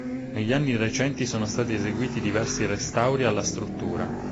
Negli anni recenti sono stati eseguiti diversi restauri alla struttura.